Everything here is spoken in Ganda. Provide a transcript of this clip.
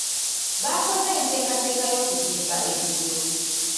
Baakoze enteekateeka y'okuzimba eggulo.